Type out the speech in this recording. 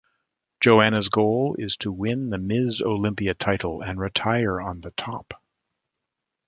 Joanna's goal is to win the Ms. Olympia title and retire on the top.